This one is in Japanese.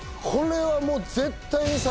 これはもう絶対に。